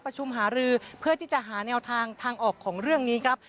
หารือเพื่อที่จะหาแนวทางทางออกของเรื่องนี้ครับ